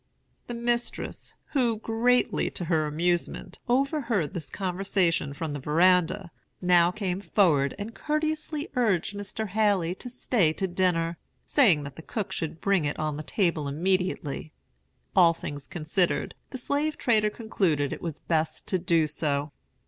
"The mistress, who, greatly to her amusement, overheard this conversation from the verandah, now came forward and courteously urged Mr. Haley to stay to dinner, saying that the cook should bring it on the table immediately. All things considered, the slave trader concluded it was best to do so.